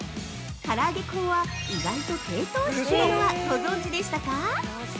からあげクンは、意外と低糖質なのはご存じでしたか？